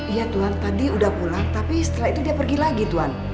ya tuhan tadi udah pulang tapi setelah itu dia pergi lagi tuhan